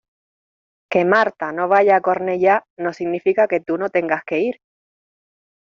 Que Marta no vaya a Cornellá no significa que tú no tengas que ir.